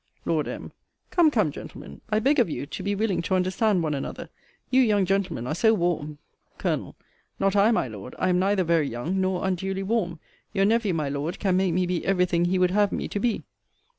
Lord M. Come, come, gentlemen, I beg of you to be willing to understand one another. You young gentlemen are so warm Col. Not I, my Lord I am neither very young, nor unduly warm. Your nephew, my Lord, can make me be every thing he would have me to be.